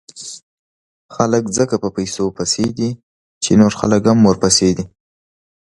خلک ځکه په پیسو پسې دي، چې نور خلک هم ورپسې دي.